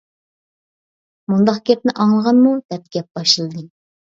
-مۇنداق گەپنى ئاڭلىغانمۇ دەپ گەپ باشلىدى.